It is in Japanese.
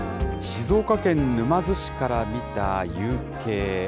静岡県沼津市から見た夕景。